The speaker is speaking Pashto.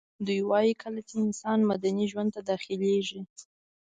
دوی وايي کله چي انسان مدني ژوند ته داخليږي